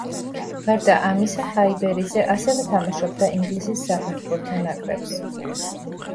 გარდა ამისა, „ჰაიბერიზე“ ასევე თამაშობდა ინგლისის საფეხბურთო ნაკრებს.